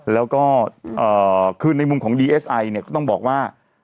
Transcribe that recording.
แล้วก็คือในมุมของดีเอสไอเนี่ยก็ต้องบอกว่า